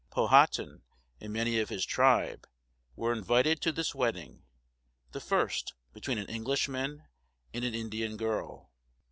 Powhatan and many of his tribe were invited to this wedding, the first between an Englishman and an Indian girl.